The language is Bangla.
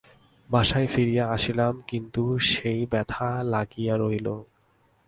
বাসায় ফিরিয়া আসিলাম কিন্তু সেই ব্যথা লাগিয়া রহিল।